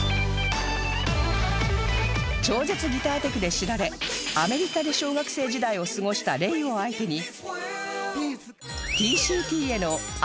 超絶ギターテクで知られアメリカで小学生時代を過ごした Ｒｅｉ を相手に